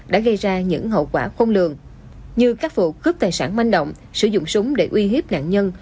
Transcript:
đã gây ra những hậu quả khôn lường như các vụ cướp tài sản manh động sử dụng súng để uy hiếp nạn nhân